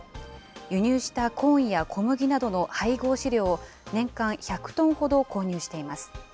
輸入したコーンや小麦などの配合飼料を、年間１００トンほど購入しています。